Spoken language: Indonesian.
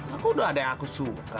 aku udah ada yang aku suka